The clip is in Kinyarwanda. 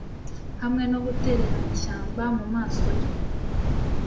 hamwe no gutererana ishyamba mumaso ye